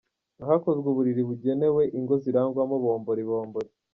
Hakozwe uburiri bugenewe ingo zirangwamo bombori bombori